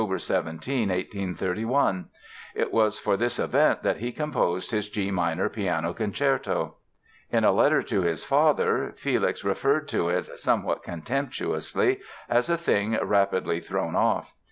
17, 1831. It was for this event that he composed his G minor Piano Concerto. In a letter to his father Felix referred to it, somewhat contemptuously, as "a thing rapidly thrown off".